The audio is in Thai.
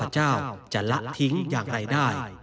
เจ้าจะละทิ้งอย่างไรได้